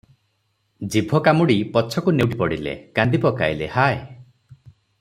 ଜିଭ କାମୁଡ଼ି ପଛକୁ ନେଉଟି ପଡ଼ିଲେ, କାନ୍ଦି ପକାଇଲେ, ‘ହାୟ!